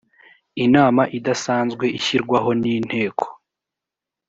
inama idasanzwe ishyirwaho n inteko